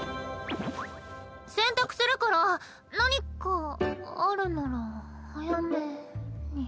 洗濯するから何かあるなら早めに。